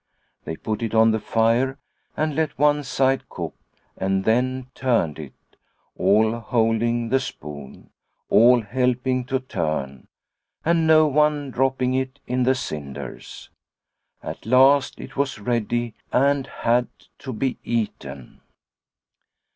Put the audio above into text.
They put it on the fire and let one side cook and then turned it, all holding the spoon, all helping to turn, and no one dropping it in the cinders. At last it was ready and had to be eaten.